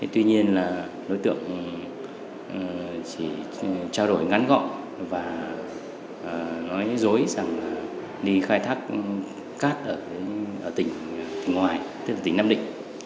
tuy nhiên là đối tượng chỉ trao đổi ngắn gọn và nói dối rằng là đi khai thác cát ở tỉnh ngoài tỉnh nam định